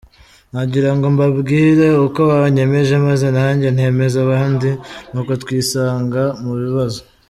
Nagira ngo mbabwire uko banyemeje maze nanjye nemeza abandi, nuko twisanga mu bibazo.